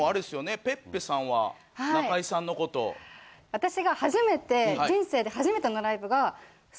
私が初めて。